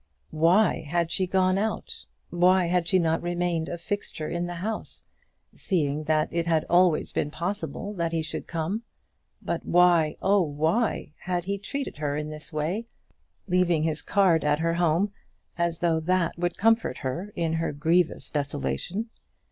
Why had she gone out? Why had she not remained a fixture in the house, seeing that it had always been possible that he should come? But why! oh, why! had he treated her in this way, leaving his card at her home, as though that would comfort her in her grievous desolation?